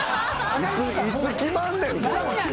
いつ決まんねんこれ。